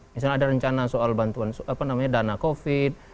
misalnya ada rencana soal bantuan apa namanya dana covid